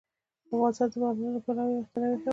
افغانستان د بارانونو له پلوه یو متنوع هېواد دی.